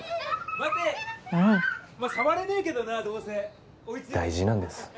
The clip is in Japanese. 待てまあ触れねえけどなどうせ大事なんです